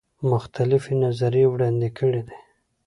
مختلفي نظریې وړاندي کړي دي.